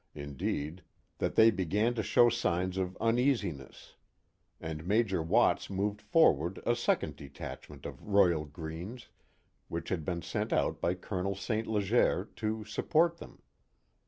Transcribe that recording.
indeed, that they began to show signs of uneasiness, and I Major Watts moved forward a second detachment of Rojral | Greens, which had been sent out by Colonel St. Leger. to sup I port them.